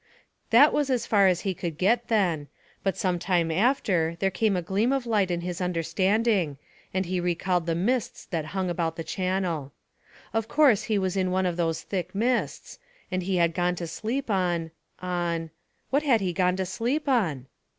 That was as far as he could get then, but some time after there came a gleam of light in his understanding, and he recalled the mists that hung about the Channel. Of course he was in one of those thick mists, and he had gone to sleep on on what had he gone to sleep on?